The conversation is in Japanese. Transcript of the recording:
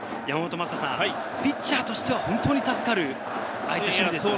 ピッチャーとしては本当に助かるプレーでした。